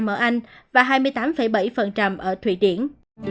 một mươi ba bảy ở anh và hai mươi tám bảy ở thụy điển